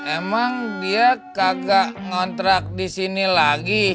emang dia kagak ngontrak disini lagi